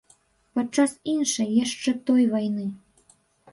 Падчас іншай, яшчэ той вайны.